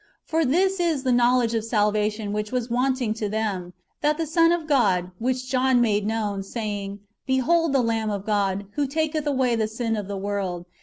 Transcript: "^ For this is the knowledge of salvation which was wanting to them, that of the Son of God, which John made known, saying, ^'Behold the Lamb of God, who taketh away the sin of the world.